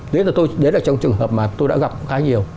đấy là trong trường hợp mà tôi đã gặp khá nhiều